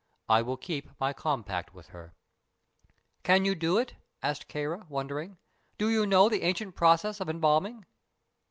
I will keep my compact with her." "Can you do it?" asked Kāra, wondering. "Do you know the ancient process of embalming?"